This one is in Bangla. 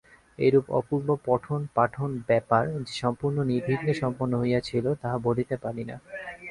এইরূপ অপূর্ব পঠন-পাঠন-ব্যাপার যে সম্পূর্ণ নির্বিঘ্নে সম্পন্ন হইয়াছিল তাহা বলিতে পারি না।